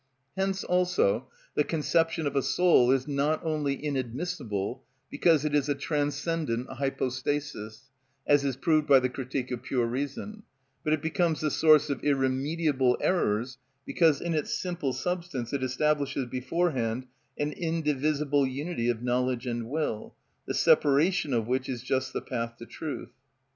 Hence also the conception of a soul is not only inadmissible, because it is a transcendent hypostasis, as is proved by the "Critique of Pure Reason," but it becomes the source of irremediable errors, because in its "simple substance" it establishes beforehand an indivisible unity of knowledge and will, the separation of which is just the path to the truth.